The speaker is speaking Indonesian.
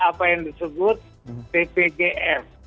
apa yang disebut ppgf